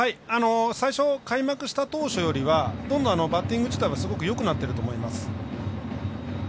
最初、開幕した当初よりはバッティング自体はよくなっていると思います。